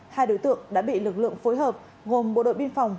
hai đối tượng đã bị lực lượng phối hợp gồm bộ đội biên phòng